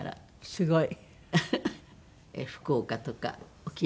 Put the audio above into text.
すごい。